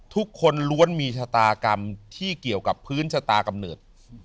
ทุกคนล้วนมีชะตากรรมที่เกี่ยวกับพื้นชะตากำเนิด